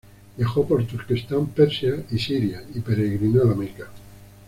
Viajó por Turquestán, Persia y Siria, y peregrinó a La Meca.